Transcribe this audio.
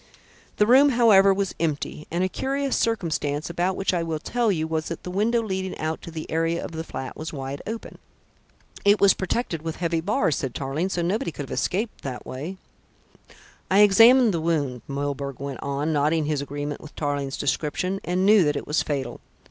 The room, however, was empty, and a curious circumstance, about which I will tell you, was that the window leading out to the area of the flat was wide open." "It was protected with heavy bars," said Tarling, "so nobody could have escaped that way." "I examined the wound," Milburgh went on, nodding his agreement with Tarling's description, "and knew that it was fatal.